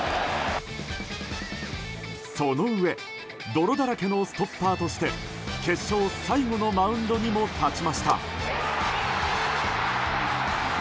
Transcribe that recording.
その上泥だらけのストッパーとして決勝、最後のマウンドにも立ちました。